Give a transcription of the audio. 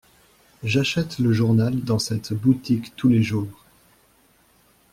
J’achète le journal dans cette boutique tous les jours.